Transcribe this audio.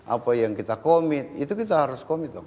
apa yang kita komit itu kita harus komit dong